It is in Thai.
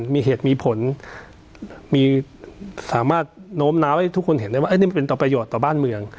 มีเหตุมีผลมีสามารถโน้มน้าวให้ทุกคนเห็นได้ว่านี่มันเป็นต่อประโยชน์ต่อบ้านเมือง